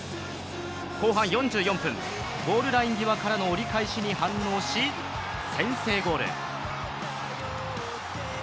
後半４４分、ゴールライン際からの折り返しに反応し、先制ゴール。